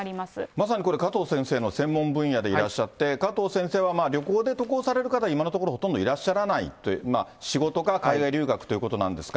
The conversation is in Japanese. まさにこれ、加藤先生の専門分野でいらっしゃって、加藤先生は、旅行で渡航される方は今のところほとんどいらっしゃらないと、仕事か海外留学ということなんですが。